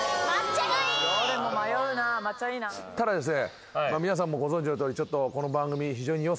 ただですね。